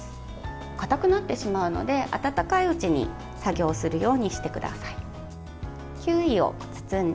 かたくなってしまうので温かいうちに作業するようにしてください。